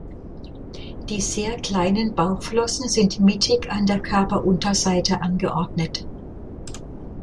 Die sehr kleinen Bauchflossen sind mittig an der Körperunterseite angeordnet.